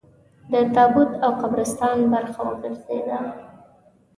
د تابوت او قبرستان برخه وګرځېده.